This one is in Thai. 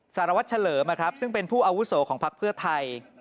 สารวัตรเฉลิมซึ่งเป็นผู้อาวุโสของพักเพื่อไทย